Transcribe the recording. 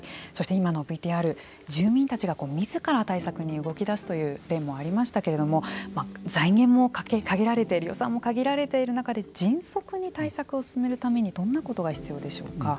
今のＶＴＲ住民たちがみずから対策に動きだすという例もありましたけれども財源も限られている予算も限られている中で迅速に対策を進めるためにどんなことが必要でしょうか。